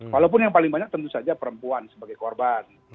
walaupun yang paling banyak tentu saja perempuan sebagai korban